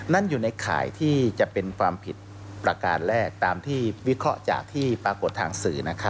นั่นอยู่ในข่ายที่จะเป็นความผิดประการแรกตามที่วิเคราะห์จากที่ปรากฏทางสื่อ